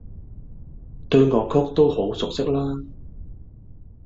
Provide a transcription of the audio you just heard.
對樂曲都好熟悉啦